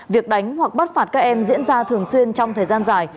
việc đánh hoặc bắt phạt các em diễn ra thường xuyên trong thời gian dài